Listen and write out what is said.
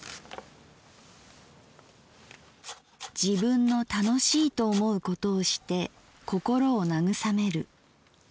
「自分の楽しいと思うことをして心を慰める。